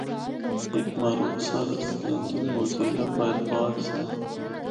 ہک معروف search engine موزیلہ فائرفاکس ہے۔